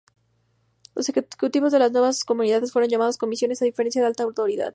Los ejecutivos de las nuevas comunidades fueron llamados comisiones, a diferencia de "Alta Autoridad".